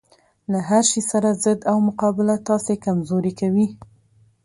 له هرشي سره ضد او مقابله تاسې کمزوري کوي